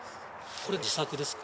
これ、自作ですか？